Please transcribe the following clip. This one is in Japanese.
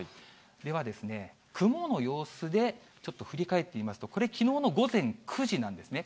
ではですね、雲の様子でちょっと振り返ってみますと、これ、きのうの午前９時なんですね。